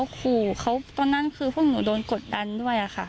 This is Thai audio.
ขู่เขาตอนนั้นคือพวกหนูโดนกดดันด้วยค่ะ